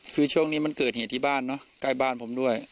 คือช่วงนี้มันเกิดเหตุที่บ้านเนอะใกล้บ้านผมด้วย